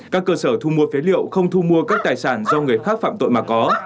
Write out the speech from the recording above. các cơ sở thu mua phế liệu không thu mua các tài sản do người khác phạm tội mà có